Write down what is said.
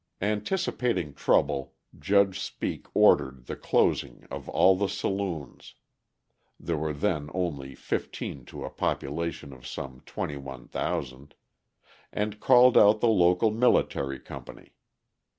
Anticipating trouble, Judge Speake ordered the closing of all the saloons there were then only fifteen to a population of some twenty one thousand and called out the local military company.